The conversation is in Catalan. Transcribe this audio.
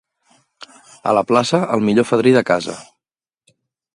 A la plaça, el millor fadrí de casa.